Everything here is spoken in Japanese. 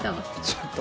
ちょっと。